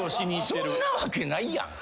そんなわけないやん。